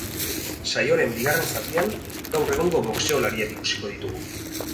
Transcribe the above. Saioaren bigarren zatian, gaur egungo boxeolariak ikusiko ditugu.